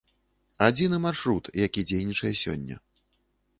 Адзіны маршрут, які дзейнічае сёння.